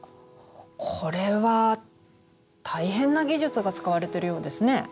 これは大変な技術が使われてるようですね。